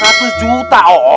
waduh seratus juta